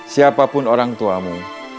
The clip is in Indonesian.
siapapun orang tuamu